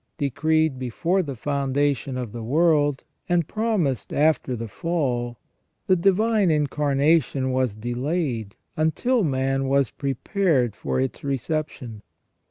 Decreed before the foundation of the world, and promised after the fall, the Divine Incarnation was delayed until man was prepared for its reception.